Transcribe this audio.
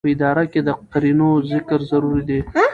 په استعاره کښي د قرينې ذکر ضروري دئ.